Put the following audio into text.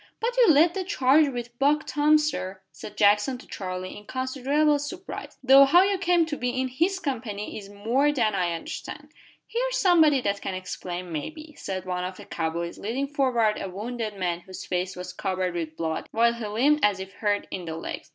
"But you led the charge with Buck Tom, sir," said Jackson to Charlie, in considerable surprise, "though how you came to be in his company is more than I can understand." "Here's somebody that can explain, maybe," said one of the cow boys, leading forward a wounded man whose face was covered with blood, while he limped as if hurt in the legs.